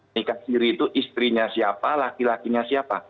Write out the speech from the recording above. nikah siri itu istrinya siapa laki lakinya siapa